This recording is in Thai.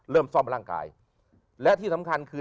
เริ่มซ่อมร่างกายและที่สำคัญคือ